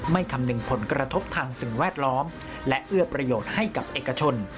คำนึงผลกระทบทางสิ่งแวดล้อมและเอื้อประโยชน์ให้กับเอกชน